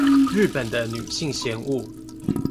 日本的女性嫌惡